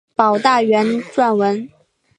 保大元年撰文。